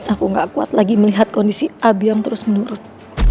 aku gak kuat lagi melihat kondisi abi yang terus menurun